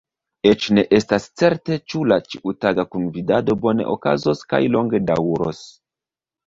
Eĉ ne estas certe ĉu la ĉiutaga kunvivado bone okazos kaj longe daŭros.